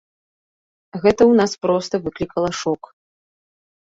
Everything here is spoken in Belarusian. Гэта ў нас проста выклікала шок.